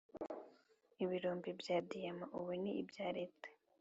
ibirombe bya diyama Ubu ni ibya leta